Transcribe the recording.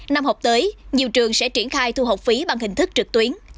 năm học tới nhiều trường sẽ triển khai thu học phí bằng hình thức trực tuyến